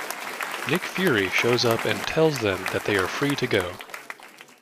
Nick Fury shows up and tells them that they are free to go.